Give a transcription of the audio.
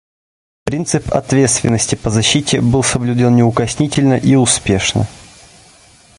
Принцип «ответственности по защите» был соблюден неукоснительно и успешно.